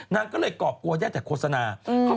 นางก็เลยกรอบกลัวได้แต่โฆษณา